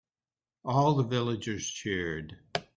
All the villagers cheered.